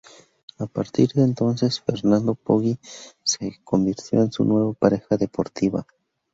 A partir de entonces, Fernando Poggi se convirtió en su nueva pareja deportiva.